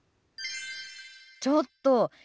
ちょっと！